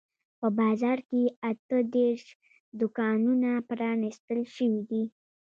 په بازار کې اته دیرش دوکانونه پرانیستل شوي دي.